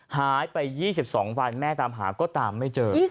หายไป๒๒วันแม่ตามหาก็ตามไม่เจอ